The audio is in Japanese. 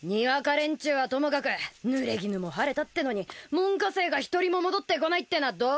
連中はともかくぬれぎぬも晴れたってのに門下生が一人も戻ってこないってのはどういうことだよ！